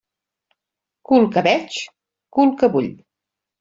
Cul que veig, cul que vull.